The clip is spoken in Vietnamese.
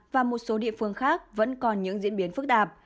và một số địa phương khác vẫn còn những diễn biến phức tạp